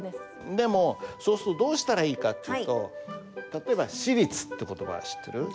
でもそうするとどうしたらいいかっていうと例えば「シリツ」って言葉は知ってる？